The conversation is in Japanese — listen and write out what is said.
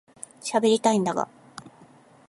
しゃべりたいんだが